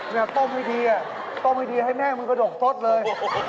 แม่ก็ต้มให้ดีให้แม่มันกระดกต้นเลย